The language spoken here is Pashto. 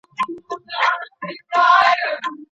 په قلم خط لیکل د ډله ایزو کارونو په پرمختګ کي مرسته کوي.